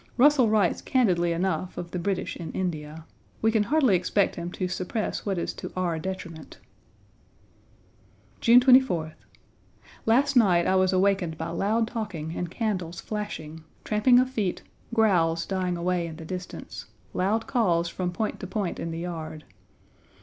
Russell writes candidly enough of the British in India. We can hardly expect him to suppress what is to our detriment. June 24th. Last night I was awakened by loud talking and candles flashing, tramping of feet, growls dying away in the distance, loud calls from point to point in the yard.